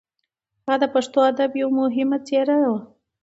هغه د پښتو ادب یو مهم څېره وه.